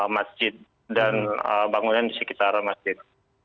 masjid dan bangunan di sekitar masjid